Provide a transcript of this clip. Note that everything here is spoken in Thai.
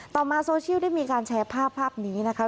ต่อมาโซเชียลได้มีการแชร์ภาพภาพนี้นะคะ